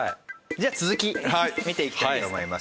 じゃあ続き見ていきたいと思います。